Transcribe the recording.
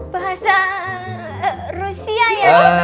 bahasa rusia ya